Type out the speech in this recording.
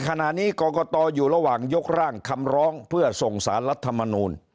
ขณะนี้กรกตอยู่ระหว่างยกร่างคำร้องเพื่อส่งสารรัฐมนูล